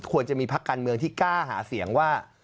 จะมีพักการเมืองที่กล้าหาเสียงว่า